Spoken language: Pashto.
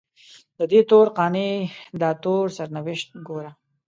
ددې تور قانع داتور سرنوشت ګوره